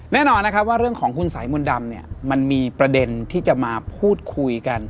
แน่นอนนะครับว่าเรื่องของคุณสายมนต์ดำเนี่ยมันมีประเด็นที่จะมาพูดคุยกัน